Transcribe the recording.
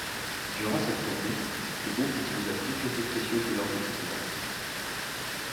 Durant cette tournée, le groupe utilisa plus d'effets spéciaux que lors des précédentes.